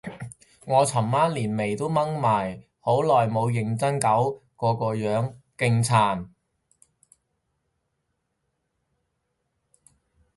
我尋晚連眉都掹埋，好耐冇認真搞過個樣，勁殘